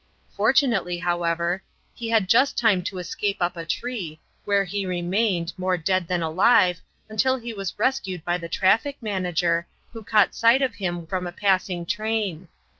Fortunately, however, he had just time to escape up a tree, where he remained, more dead than alive, until he was rescued by the Traffic Manager, who caught sight of him from a passing train.